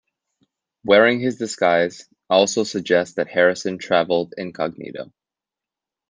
"Wearing his disguise" also suggests that Harrison traveled incognito.